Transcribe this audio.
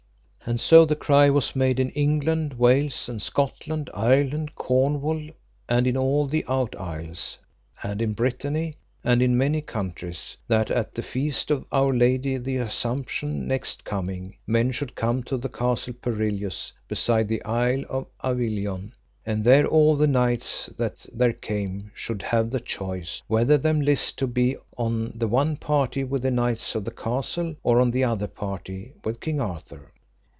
And so the cry was made in England, Wales, and Scotland, Ireland, Cornwall, and in all the Out Isles, and in Brittany and in many countries; that at the feast of our Lady the Assumption next coming, men should come to the Castle Perilous beside the Isle of Avilion; and there all the knights that there came should have the choice whether them list to be on the one party with the knights of the castle, or on the other party with King Arthur.